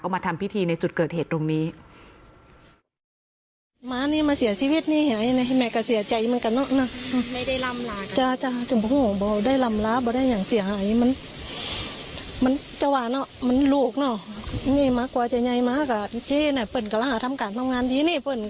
มาทำพิธีในจุดเกิดเหตุตรงนี้